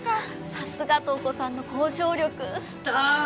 さすが瞳子さんの交渉力きた！